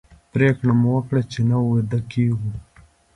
پرېکړه مو وکړه چې نه ویده کېږو.